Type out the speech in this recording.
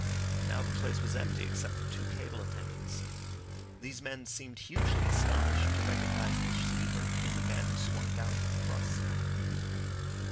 Now the place was empty except for two cable attendants. These men seemed hugely astonished to recognise the Sleeper in the man who swung down from the cross seat.